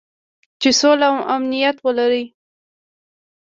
چې سوله او امنیت ولري.